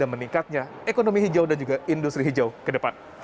dan meningkatnya ekonomi hijau dan juga industri hijau ke depan